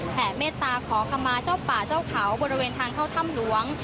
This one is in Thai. เมตตาขอคำมาเจ้าป่าเจ้าเขาบริเวณทางเข้าถ้ำหลวง